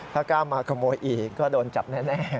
ถ้ากล้ามาขโมยอีกก็โดนจับแน่